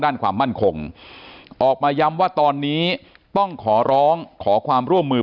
ด้านความมั่นคงออกมาย้ำว่าตอนนี้ต้องขอร้องขอความร่วมมือ